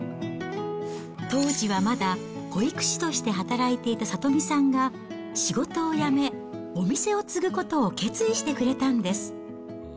当時はまだ保育士として働いていた智美さんが、仕事を辞め、お店を継ぐことを決意してくれたんです。